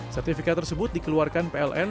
sertifikat tersebut dikeluarkan pln